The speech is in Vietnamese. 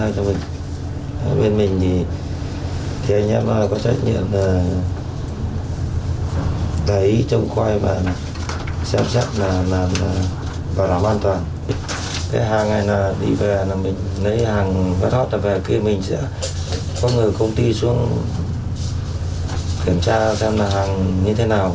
cái hàng này là đi về là mình lấy hàng vất hót là về kia mình sẽ có người công ty xuống kiểm tra xem là hàng như thế nào